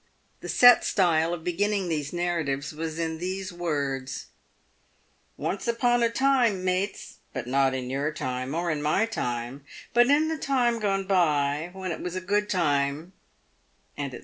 The set style of beginning these narratives was in these words :" Once upon a time, mates, but not in your time or in my time, but in the time gone by, when it was a good time," &c. &c.